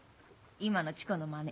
今のチコのマネ。